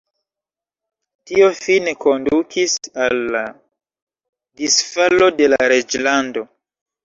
Tio fine kondukis al la disfalo de la reĝlando.